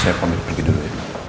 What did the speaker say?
saya mau pergi dulu ya ma